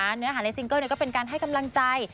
เนื้อหาในซิงเกิลก็เป็นการให้กำลังใจ